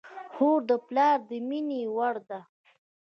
خور د پلار د مینې وړ ده.